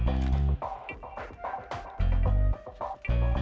nanti kita jalan jalan dulu